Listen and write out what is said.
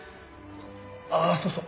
ああそうそう。